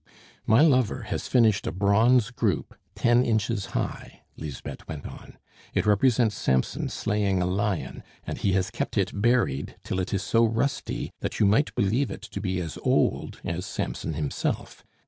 "My lover has finished a bronze group ten inches high," Lisbeth went on. "It represents Samson slaying a lion, and he has kept it buried till it is so rusty that you might believe it to be as old as Samson himself.